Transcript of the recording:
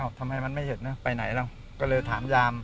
รู้สึกว่านั้นมันไม่เห็นเนี้ยไปไหนแล้วก็เลยถามยาล์ม